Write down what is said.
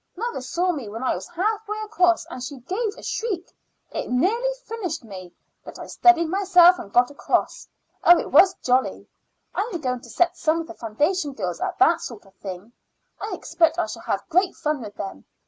Mother saw me when I was half way across, and she gave a shriek. It nearly finished me, but I steadied myself and got across. Oh, it was jolly! I am going to set some of the foundation girls at that sort of thing. I expect I shall have great fun with them.